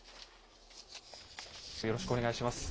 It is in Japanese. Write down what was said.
よろしくお願いします。